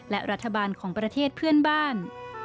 และรัฐบาลของประเทศเพื่อนบ้าน